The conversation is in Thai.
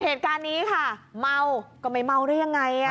เหตุการณ์นี้ค่ะเมาก็ไม่เมาได้ยังไง